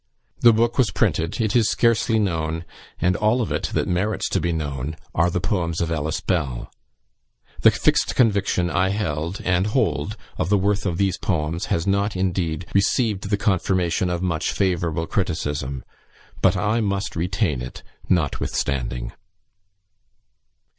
"The book was printed; it is scarcely known, and all of it that merits to be known are the poems of Ellis Bell. "The fixed conviction I held, and hold, of the worth of these poems, has not, indeed, received the confirmation of much favourable criticism; but I must retain it notwithstanding."